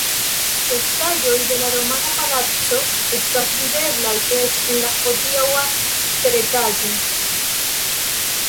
Restaĵoj de la romana palaco estas videblaj eĉ en la hodiaŭa teretaĝo.